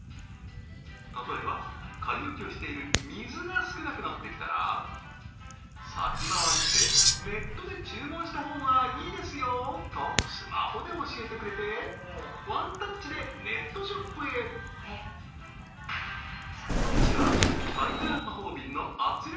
例えば買い置きをしている水が少なくなってきたら先回りして「ネットで注文したほうがいいですよ」とスマホで教えてくれてワンタッチでネットショップへこちらタイガー魔法瓶の圧力